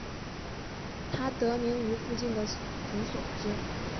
它得名于附近的蓬索街。